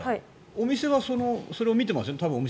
お店はそれを見てますよね。